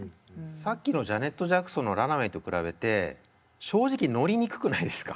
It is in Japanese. さっきのジャネット・ジャクソンの「Ｒｕｎａｗａｙ」と比べて正直乗りにくくないですか？